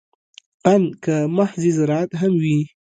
ان که محض زراعت هم وي.